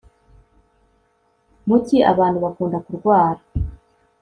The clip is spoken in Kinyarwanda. mu cyi abantu bakunda kurwara